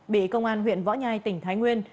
bị công an huyện võ nhai tỉnh thái nguyên